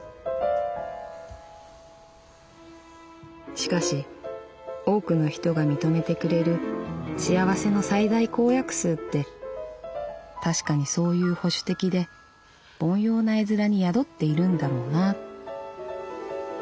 「しかし多くの人が認めてくれる幸せの最大公約数って確かにそういう保守的で凡庸な絵面に宿っているんだろうな」。